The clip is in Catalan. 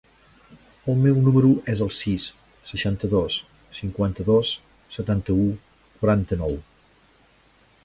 El meu número es el sis, seixanta-dos, cinquanta-dos, setanta-u, quaranta-nou.